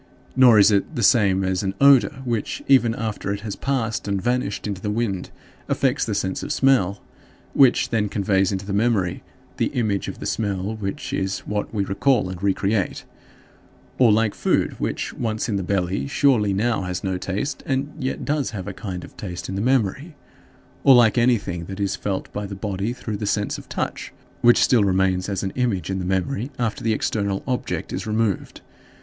Nor is it the same as an odor which, even after it has passed and vanished into the wind, affects the sense of smell which then conveys into the memory the image of the smell which is what we recall and re create; or like food which, once in the belly, surely now has no taste and yet does have a kind of taste in the memory; or like anything that is felt by the body through the sense of touch, which still remains as an image in the memory after the external object is removed.